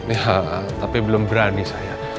ya tapi belum berani saya